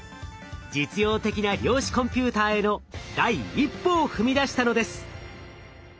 実用的な量子コンピューターへの第一歩を踏み出したのです。